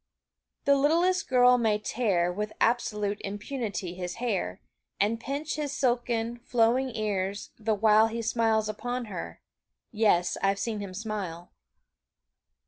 The littlest girl may tear With absolute impunity his hair, And pinch his silken, flowing ears, the while He smiles upon her yes, I've seen him smile.